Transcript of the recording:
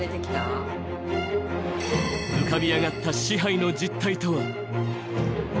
浮かび上がった支配の実態とは。